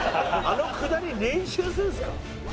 あのくだり練習するんですか？